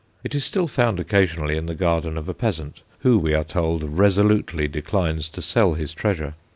It is still found occasionally in the garden of a peasant, who, we are told, resolutely declines to sell his treasure.